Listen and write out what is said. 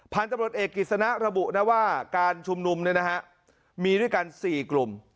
พันธุ์ตำรวจเอกกิจสนะระบุนะว่าการชุมนุมมีด้วยกัน๔กลุ่ม